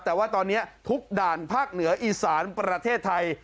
แต่ว่าตอนนี้ทุกด่านภาคเหนืออีสานประเทศไทย